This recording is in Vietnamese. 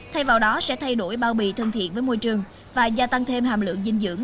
thay vào đó sẽ thay đổi bao bì thân thiện với môi trường và gia tăng thêm hàm lượng dinh dưỡng